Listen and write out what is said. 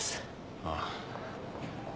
ああ。